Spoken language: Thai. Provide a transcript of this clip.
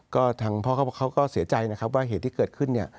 ก็ทางพ่อเขาก็เสียใจนะครับว่าเหตุที่เกิดขึ้นเนี่ย